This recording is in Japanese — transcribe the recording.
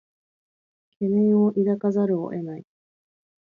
懸念を抱かざるを得ない